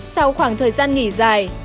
sau khoảng thời gian nghỉ dài